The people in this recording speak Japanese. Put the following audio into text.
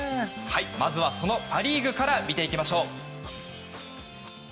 まずはそのパ・リーグから見ていきましょう。